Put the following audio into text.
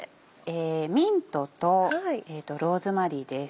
ミントとローズマリーです。